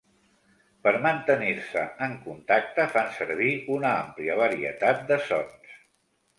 Per mantenir-se en contacte fan servir una àmplia varietat de sons.